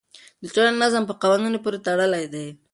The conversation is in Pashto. د ټولنې نظم په قوانینو پورې تړلی دی.